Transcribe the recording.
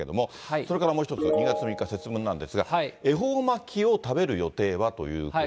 それからもう一つ、２月３日節分なんですが、恵方巻きを食べる予定は？ということで。